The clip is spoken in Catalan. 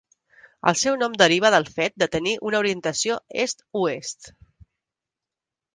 El seu nom deriva del fet de tenir una orientació est-oest.